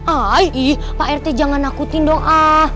aih pak rt jangan nakutin dong ah